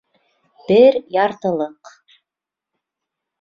Бер яртылыҡ!